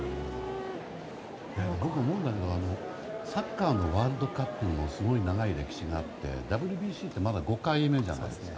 思うんだけどサッカーのワールドカップもすごい長い歴史があってＷＢＣはまだ５回目じゃないですか。